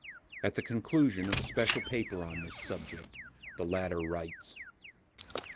At the conclusion of a special paper on this subject the latter writes: (72.